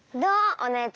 お姉ちゃん。